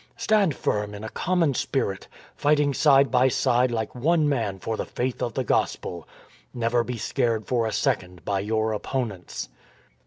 ... Stand firm in a common spirit, fighting side by side like one man for the faith of the Gospel. Never be scared for a second by your opponents."